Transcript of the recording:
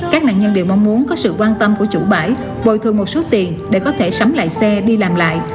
các nạn nhân đều mong muốn có sự quan tâm của chủ bãi bồi thường một số tiền để có thể sắm lại xe đi làm lại